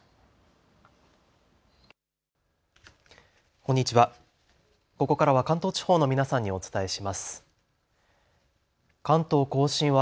こんにちは。